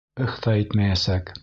«Ыһ» та итмәйәсәк!